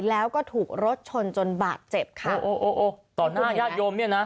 แล้วก็ถูกรถชนจนบาดเจ็บค่ะโอ้ต่อหน้าญาติโยมเนี่ยนะ